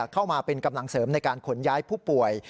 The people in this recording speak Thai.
เข้ามาเป็นกำลังเสริมในการขนย้ายผู้ป่วย